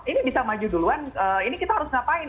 ini bisa maju duluan ini kita harus ngapain